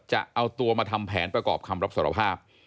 จะเอาตัวมาทำแผนประกอบคำรับสารภาพ